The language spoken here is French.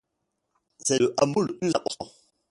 C'est le hameau le plus important.